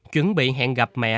chuẩn bị hẹn gặp mẹ